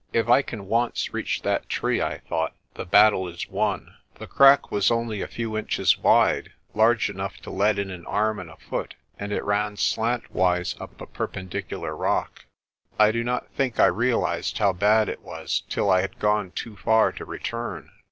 If I can once reach that tree, I thought, the battle is won. The crack was only a few inches wide, large enough to let in an arm and a foot, and it ran slantwise up a perpen dicular rock. I do not think I realised how bad it was till I had gone too far to return.